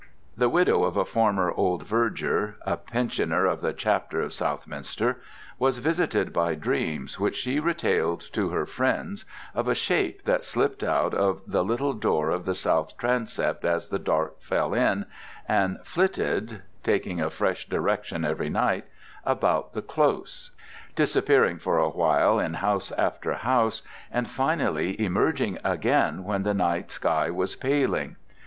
The widow of a former old verger, a pensioner of the Chapter of Southminster, was visited by dreams, which she retailed to her friends, of a shape that slipped out of the little door of the south transept as the dark fell in, and flitted taking a fresh direction every night about the close, disappearing for a while in house after house, and finally emerging again when the night sky was paling.